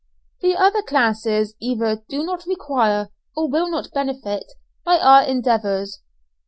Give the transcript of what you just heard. The other classes either do not require or will not benefit by our endeavours.